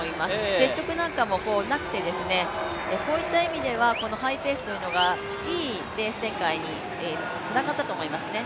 接触なんかもなくて、そういった意味ではハイペースというのがいいレース展開につながったと思いますね。